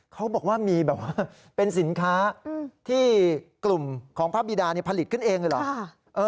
เขาบอกว่ามีเป็นสินค้าที่กลุ่มของพระบีดาผลิตขึ้นเองหรือ